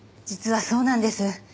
実はそうなんです。